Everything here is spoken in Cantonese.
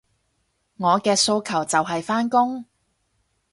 我嘅訴求就係返工